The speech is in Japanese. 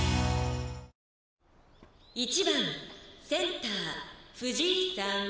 「１番センター藤井さん」。